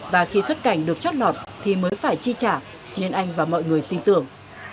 và khi xuất cảnh được chót lọt thì mới phải chi trả nên anh và mọi người tin tưởng